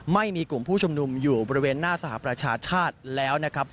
ไม่มีกลุ่มผู้ชุมนุมอยู่บริเวณหน้าสหประชาชาติแล้วนะครับ